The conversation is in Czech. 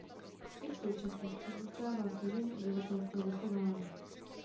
I v současnosti zůstává složení obyvatelstva zachováno.